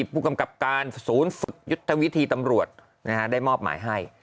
ผู้กำกับการศูนย์ฝึกยุทธวิธีตำรวจได้มอบหมายให้